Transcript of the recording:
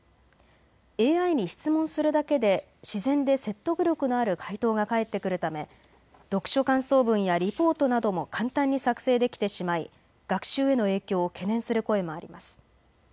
ＡＩに質問するだけで自然で説得力のある回答が返ってくるため読書感想文やリポートなども簡単に作成できてしまい学習への影響を懸念する声もあります。